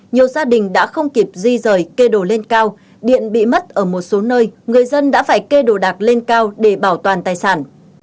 nhiều gia đình đã không kịp di rời kê đồ lên cao điện bị mất ở một số nơi người dân đã phải kê đồ đạc lên cao để bảo toàn tài sản